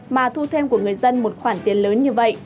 mà thu thêm của người dân một khoản tiền lớn như vậy